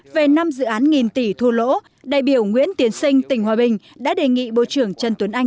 về năm dự án nghìn tỷ thua lỗ đại biểu nguyễn tiến sinh tỉnh hòa bình đã đề nghị bộ trưởng trần tuấn anh